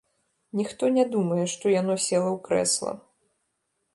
Ніхто не думае, што яно села ў крэсла.